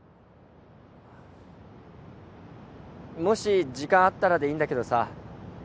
もし時間あったらでいいんだけどさ